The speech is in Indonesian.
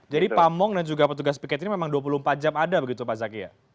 jadi pamong dan juga petugas piket ini memang dua puluh empat jam ada begitu pak zaky ya